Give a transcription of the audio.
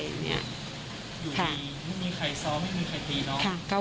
อยู่ดีไม่มีใครซ้อมไม่มีใครตีน้อง